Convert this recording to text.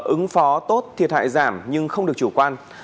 ứng phó tốt thiệt hại giảm nhưng không được chủ quan